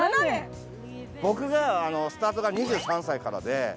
僕がスタートが２３歳からで。